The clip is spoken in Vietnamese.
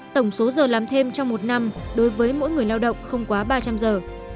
tổng số giờ làm thêm trong một năm đối với mỗi người lao động không quá ba trăm linh giờ